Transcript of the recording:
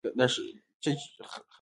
د نړۍ ګڼو هېوادونو ډېرې پیسې مصرفولې.